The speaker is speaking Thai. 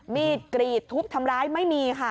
มีดกรีดทุบทำร้ายไม่มีค่ะ